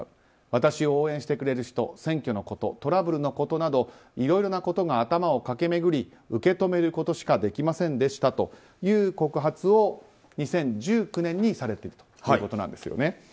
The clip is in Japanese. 私を応援してくれる人選挙のことトラブルのことなどいろいろなことが頭を駆け巡り受け止めることしかできませんでしたという告発を２０１９年にされているということなんですね。